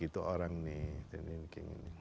tuh orang nih